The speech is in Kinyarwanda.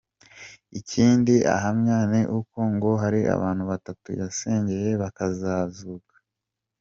Ikindi ahamya ni uko ngo hari abantu batatu yasengeye bakazuka.